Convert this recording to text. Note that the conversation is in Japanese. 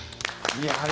いやあ！